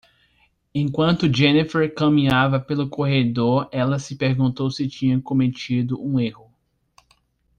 Enquanto Jennifer caminhava pelo corredor, ela se perguntou se tinha cometido um erro.